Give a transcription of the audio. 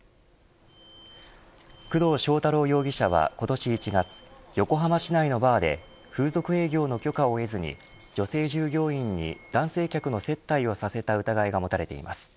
工藤将太郎容疑者は、今年１月横浜市内のバーで風俗営業の許可を得ずに女性従業員に男性客の接待をさせた疑いが持たれています。